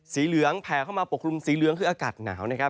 สีเหลืองแผ่เข้ามาปกคลุมสีเหลืองคืออากาศหนาวนะครับ